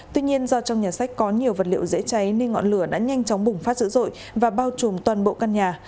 tuy nhiên do trong nhà sách có nhiều vật liệu dễ cháy nên ngọn lửa đã nhanh chóng bùng phát dữ dội và bao trùm toàn bộ căn nhà